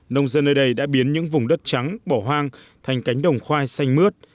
nông dân nơi đây đã biến những vùng đất trắng bỏ hoang thành cánh đồng khoai xanh mướt